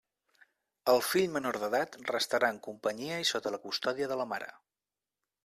El fill menor d'edat restarà en companyia i sota la custòdia de la mare.